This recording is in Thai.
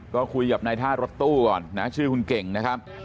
ก็คุยกับนายท่ารถตู้ก่อนนะชื่อคุณเก่งนะครับ